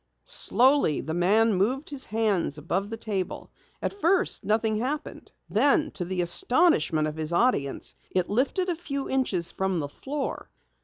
Slowly the man moved his hands above the table. At first nothing happened, then to the astonishment of his audience, it lifted a few inches from the floor.